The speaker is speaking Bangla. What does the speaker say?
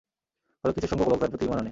ফলে কিছু সংখ্যক লোক তাঁর প্রতি ঈমান আনে।